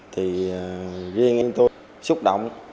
thì riêng em tôi xúc động